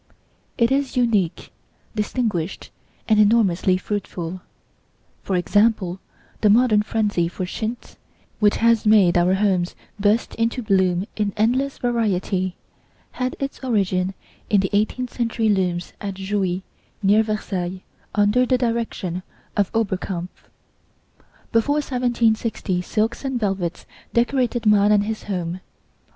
It is unique, distinguished and enormously fruitful. For example, the modern frenzy for chintz, which has made our homes burst into bloom in endless variety, had its origin in the eighteenth century looms at Jouy, near Versailles, under the direction of Oberkampf. Before 1760 silks and velvets decorated man and his home.